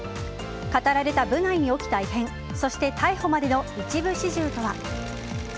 語られた部内に起きた異変そして、逮捕までの一部始終とは。